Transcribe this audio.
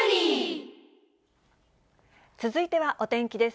続いてはお天気です。